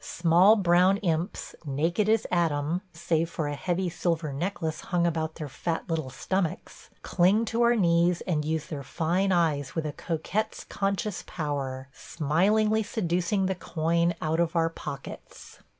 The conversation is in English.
Small brown imps, naked as Adam, save for a heavy silver necklace hung about their fat, little stomachs, cling to our knees and use their fine eyes with a coquette's conscious power, smilingly seducing the coin out of our pockets.